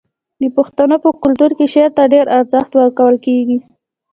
د پښتنو په کلتور کې شعر ته ډیر ارزښت ورکول کیږي.